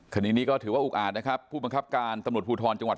คดีนี้ก็ถือว่าอุกอาจนะครับผู้บังคับการตำรวจภูทรจังหวัด